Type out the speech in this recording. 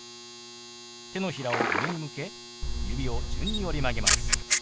手のひらを上に向け指を順に折り曲げます。